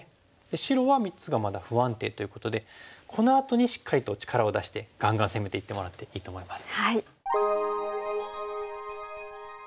白は３つがまだ不安定ということでこのあとにしっかりと力を出してガンガン攻めていってもらっていいと思います。